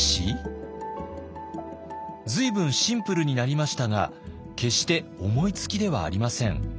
随分シンプルになりましたが決して思いつきではありません。